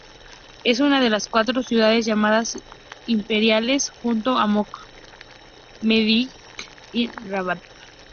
Es una de las cuatro ciudades llamadas "imperiales" junto a Marrakech, Mequinez y Rabat.